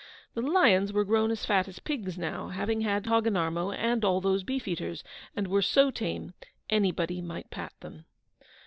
The lions were grown as fat as pigs now, having had Hogginarmo and all those beefeaters, and were so tame, anybody might pat them.